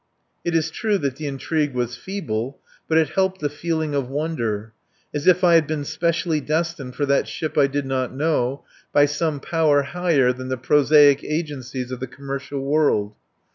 It is true that the intrigue was feeble, but it helped the feeling of wonder as if I had been specially destined for that ship I did not know, by some power higher than the prosaic agencies of the commercial world.